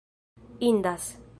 indas